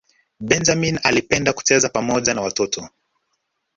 benjamini alipenda kucheza pamoja na watoto